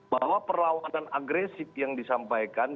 bahwa perlawanan agresif yang disampaikan